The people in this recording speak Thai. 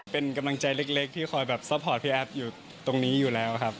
เป็นกำลังใจเล็กที่คอยแบบซัพพอร์ตพี่แอฟอยู่ตรงนี้อยู่แล้วครับ